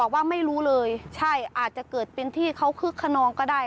ในระเบิดมีหินภูและก็ตะปู